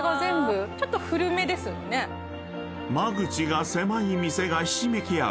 ［間口が狭い店がひしめき合う